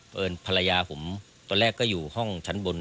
ภรรยาผมตอนแรกก็อยู่ห้องชั้นบน